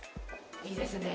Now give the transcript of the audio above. いいですね。